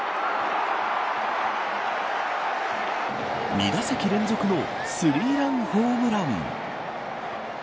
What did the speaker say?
２打席連続の３ランホームラン。